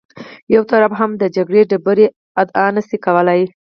یو طرف هم د جګړې د بري ادعا نه شي کولی.